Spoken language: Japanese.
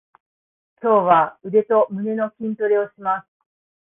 今日は腕と胸の筋トレをします。